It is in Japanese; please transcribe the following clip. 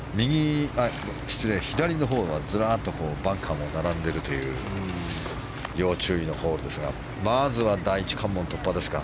左のほうはずらっとバンカーも並んでいるという要注意のホールですがまずは第１関門突破ですか。